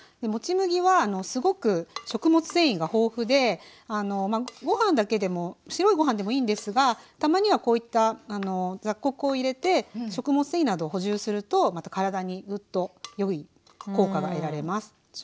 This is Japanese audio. もち麦はすごく食物繊維が豊富でご飯だけでも白いご飯でもいいんですがたまにはこういった雑穀を入れて食物繊維などを補充するとまた体にぐっと良い効果が得られます。